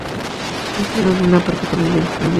Este error es solo de una parte por millón.